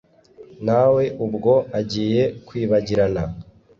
nawe ubwo agiye kwibagirana